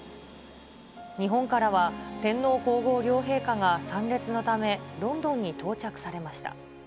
日本からは天皇皇后両陛下が参列のため、ロンドンに到着されました。